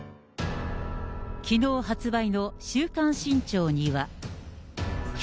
きのう発売の週刊新潮には。